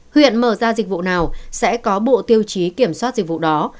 huyện mở ra dịch vụ nào sẽ có bộ tiêu chí kiểm soát dịch vụ đó